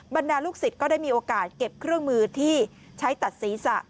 บรรดาลูกศิษย์ก็ได้มีโอกาสเก็บเครื่องมือที่ใช้ตัดศีรษะ